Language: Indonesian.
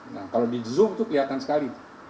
nah kalau di zoom itu kelihatan sekali